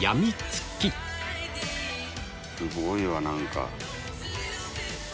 すごいわ何か。